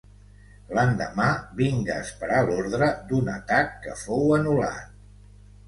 L'endemà, vinga esperar l'ordre d'un atac que fou anul·lat